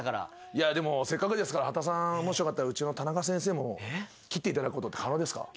いやでもせっかくですから波田さんもしよかったらうちのタナカ先生も斬っていただくことって可能ですか？